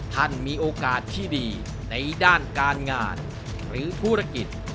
ท่านมีโอกาสที่ดีในด้านการงานหรือธุรกิจ